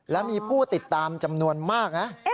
และมีผู้ติดตามจำนวนมากนะ